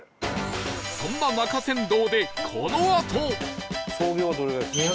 そんな中山道でこのあと